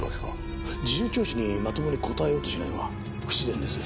事情聴取にまともに答えようとしないのは不自然です。